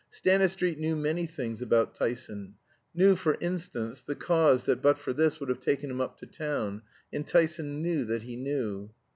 Stanistreet knew many things about Tyson knew, for instance, the cause that but for this would have taken him up to town; and Tyson knew that he knew.